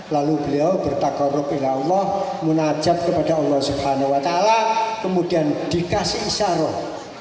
lalu beliau bertakoruk ila allah menajab kepada allah swt kemudian dikasih isyaroh